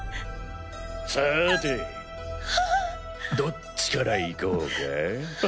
さぁてどっちからいこうか。